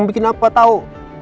bikin apa tau